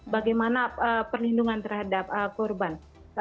bagaimana perlindungan terhadap korban